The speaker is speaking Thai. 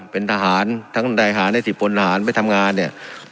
เป็นทหารทั้งนายหารในสิบพลทหารไปทำงานเนี่ย